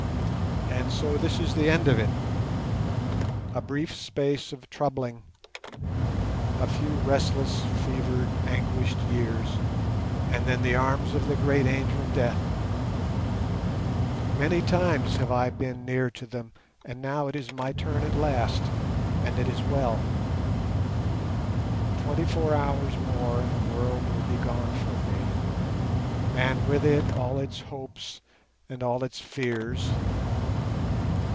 And so this is the end of it—a brief space of troubling, a few restless, fevered, anguished years, and then the arms of that great Angel Death. Many times have I been near to them, and now it is my turn at last, and it is well. Twenty four hours more and the world will be gone from me, and with it all its hopes and all its fears.